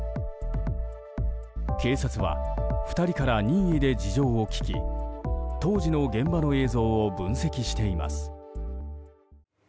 警察は２人から任意で事情を聴き当時の現場の映像を分析しています。